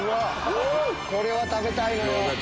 これは食べたいのよ。